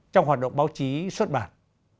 trong hoạt động báo chí xuất bản